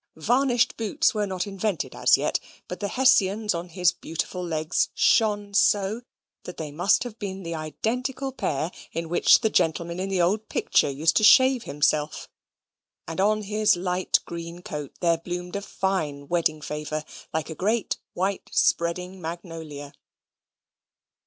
Varnished boots were not invented as yet; but the Hessians on his beautiful legs shone so, that they must have been the identical pair in which the gentleman in the old picture used to shave himself; and on his light green coat there bloomed a fine wedding favour, like a great white spreading magnolia.